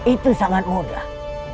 itu sangat mudah